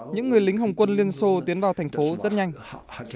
những người lính hồng quân liên xô tiến vào thành phố rất nhanh